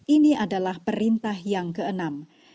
ini adalah perintah yang kita inginkan